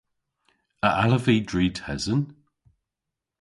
A allav vy dri tesen?